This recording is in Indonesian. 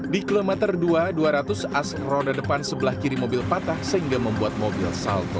di kilometer dua dua ratus as roda depan sebelah kiri mobil patah sehingga membuat mobil salto